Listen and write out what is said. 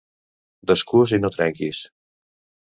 Descús i no trenquis.